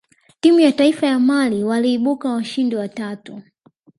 timu ya taifa ya mali waliibuka washindi wa tatu